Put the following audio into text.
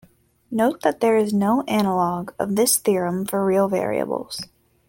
Note that there is no analogue of this theorem for real variables.